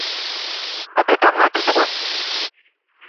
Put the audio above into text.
A te ton na àte duga